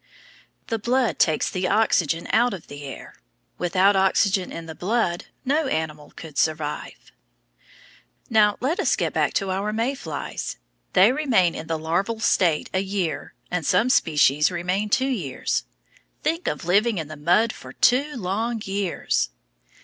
The blood takes the oxygen out of the air. Without oxygen in the blood no animal could live. Now let us go back to our May flies. They remain in the larval state a year, and some species remain two years. Think of living in the mud for two long years!